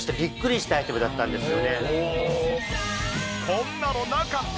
こんなのなかった！